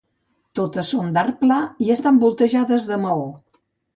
Totes són en arc pla i estan voltejades de maó.